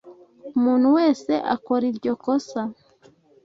Umuntu wese akora iryo kosa.